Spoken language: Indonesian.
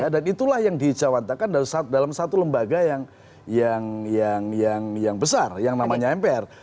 dan itulah yang dijawatkan dalam satu lembaga yang besar yang namanya mpr